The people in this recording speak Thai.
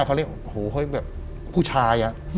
พวกผู้ชาย